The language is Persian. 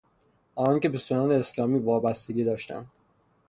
آنان که به سنن اسلامی وابستگی داشتند